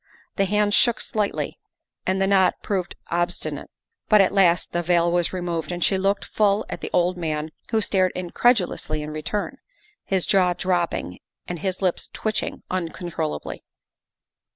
The hands shook slightly and the knot proved obstinate, but at last the veil was removed and she looked full at the old man, who stared incredu lously in return, his jaw dropping and his lips twitching uncontrollably.